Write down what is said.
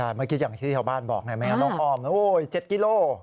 เมื่อกี้อย่างที่ชาวบ้านบอกนะครับลองคอม๗กิโลเมตร